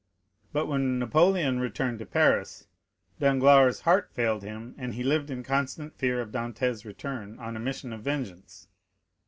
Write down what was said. But when Napoleon returned to Paris, Danglars' heart failed him, and he lived in constant fear of Dantès' return on a mission of vengeance.